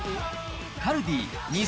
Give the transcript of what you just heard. カルディ